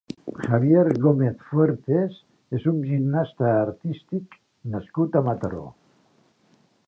Javier Gómez Fuertes és un gimnasta artístic nascut a Mataró.